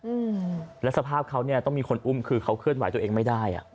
อืมแล้วสภาพเขาเนี้ยต้องมีคนอุ้มคือเขาเคลื่อนไหวตัวเองไม่ได้อ่ะ